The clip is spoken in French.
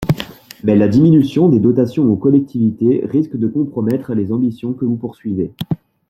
Mais la diminution des dotations aux collectivités risque de compromettre les ambitions que vous poursuivez.